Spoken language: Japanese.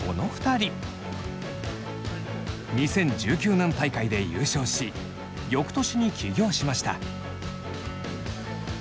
２０１９年大会で優勝しよくとしに起業しました。